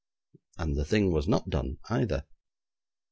And the thing was not done, either.